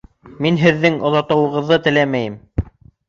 Мин һеҙҙең оҙатыуығыҙҙы теләмәйем